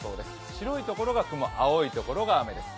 白いところが雲青いところが雨です。